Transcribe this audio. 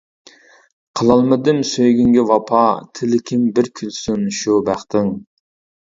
قىلالمىدىم سۆيگۈڭگە ۋاپا، تىلىكىم بىر كۈلسۇن شۇ بەختىڭ.